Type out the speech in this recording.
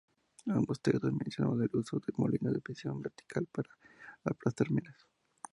Ambos textos mencionaban el uso de molinos de pisón vertical para aplastar menas.